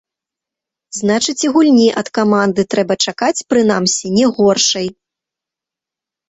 Значыць, і гульні ад каманды трэба чакаць, прынамсі, не горшай.